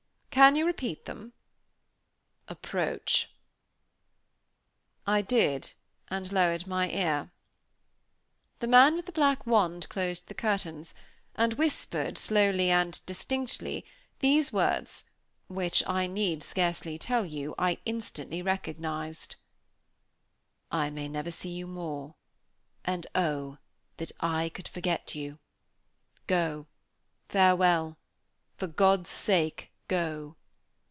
"Can you repeat them?" "Approach." I did, and lowered my ear. The man with the black wand closed the curtains, and whispered, slowly and distinctly, these words which, I need scarcely tell you, I instantly recognized: _"I may never see you more; and, oh! I that I could forget you! go farewell for God's sake, go!"